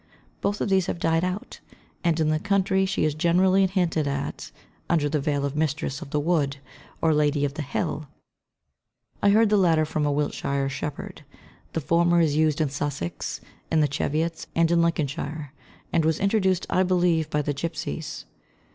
Both of these have died out, and in the country she is generally hinted at under the veil of "Mistress of the Wood" or "Lady of the Hill." I heard the latter from a Wiltshire shepherd; the former is used in Sussex, in the Cheviots, and in Lincolnshire, and was introduced, I believe, by the Gipsies.